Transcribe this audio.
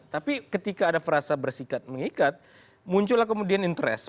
tapi ketika ada frasa bersikat mengikat muncullah kemudian interest